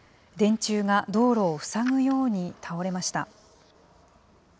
電柱が道路を塞ぐように倒れました。